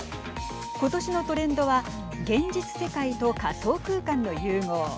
今年のトレンドは現実世界と仮想空間の融合。